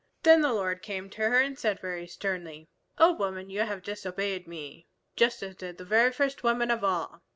Then the Lord came to her and said very sternly, "O Woman, you have disobeyed me, just as did the very first woman of all.